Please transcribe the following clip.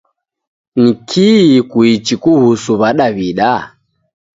Nkikii kuichi kuhusu Wadaw'ida?